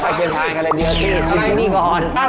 ไปเชียงคานกันเลยเดี๋ยวที่นี่ก็เหมือน